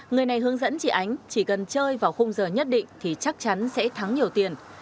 người này hướng dẫn chị ánh chỉ cần chơi vào khung giờ nhất định thì chắc chắn sẽ thắng nhiều tiền